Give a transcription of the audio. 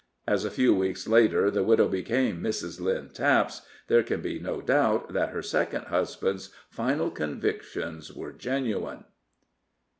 As a few weeks later the widow became Mrs. Lynn Taps, there can be no doubt that her second husband's final convictions were genuine.